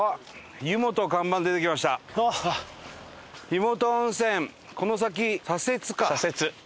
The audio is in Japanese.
「湯元温泉この先左折」か。